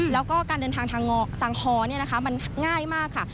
แล้วก็การเดินทางทางต่างฮอมันง่ายมากค่ะ